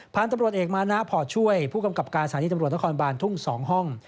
พันธุ์ตำรวจเอกมานะพอช่วยผู้กำกับการสถานีตำรวจนครบานทุ่ง๒ห้อง